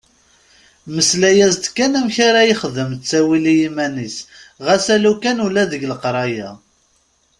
Mmeslay-as-d kan amek ara yexdem ttawil i yiman-is ɣas alukan ula deg leqraya.